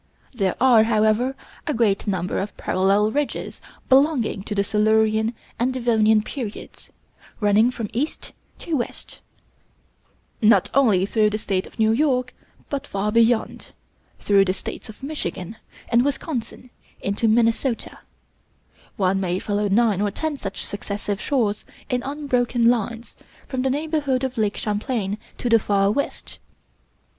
There are, however, a great number of parallel ridges belonging to the Silurian and Devonian periods, running from east to west, not only through the State of New York, but far beyond, through the States of Michigan and Wisconsin into Minnesota; one may follow nine or ten such successive shores in unbroken lines, from the neighborhood of Lake Champlain to the Far West.